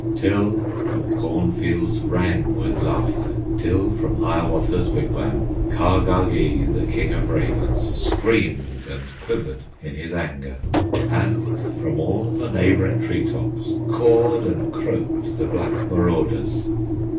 Till the cornfields rang with laughter, Till from Hiawatha's wigwam Kahgahgee, the King of Ravens, Screamed and quivered in his anger, And from all the neighboring tree tops Cawed and croaked the black marauders.